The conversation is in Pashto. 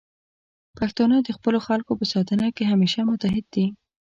پښتانه د خپلو خلکو په ساتنه کې همیشه متعهد دي.